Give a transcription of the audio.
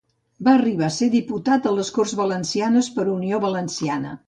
Va arribar a ser diputat a les Corts Valencianes per Unió Valenciana.